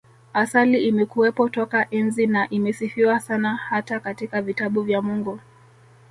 Asali imekuwepo toka enzi na imesifiwa sana hata katika vitabu vya Mungu